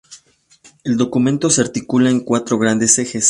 El documento se articula en cuatro grandes ejes.